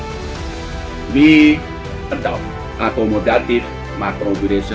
kami mengadopsi polisi akomodatif makrobudensial